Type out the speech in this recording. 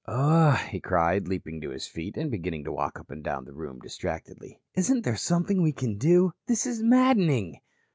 "Oh," he cried, leaping to his feet and beginning to walk up and down the room distractedly, "isn't there something we can do? This is maddening."